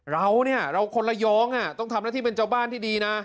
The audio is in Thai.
เราเนี่ยเราคนระยองต้องทำหน้าที่เป็นเจ้าบ้านที่ดีนะ